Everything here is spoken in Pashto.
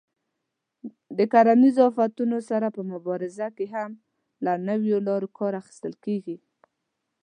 د کرنیزو آفتونو سره په مبارزه کې هم له نویو لارو کار اخیستل کېږي.